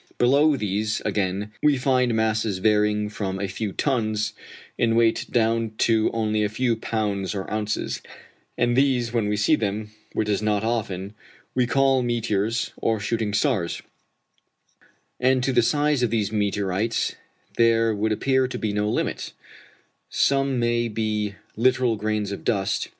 Below these, again, we find masses varying from a few tons in weight down to only a few pounds or ounces, and these when we see them, which is not often, we call meteors or shooting stars; and to the size of these meteorites there would appear to be no limit: some may be literal grains of dust.